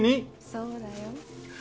そうだよ。